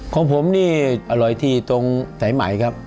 ของผมนี่อร่อยที่ตรงสายใหม่ครับ